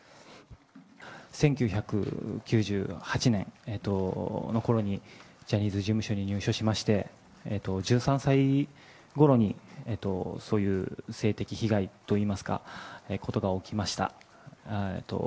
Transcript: １９９８年のころに、ジャニーズ事務所に入所しまして、１３歳ごろに、そういう性的被害といいますか、事が起きました。